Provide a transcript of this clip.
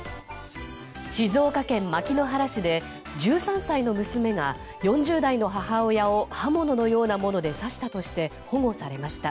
静岡県牧之原市で１３歳の娘が４０代の母親を刃物のようなもので刺したとして保護されました。